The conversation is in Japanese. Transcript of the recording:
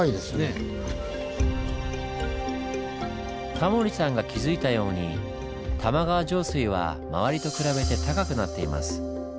タモリさんが気付いたように玉川上水は周りと比べて高くなっています。